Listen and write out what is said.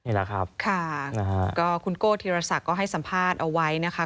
นี่แหละครับค่ะนะฮะก็คุณโก้ธีรศักดิ์ก็ให้สัมภาษณ์เอาไว้นะคะ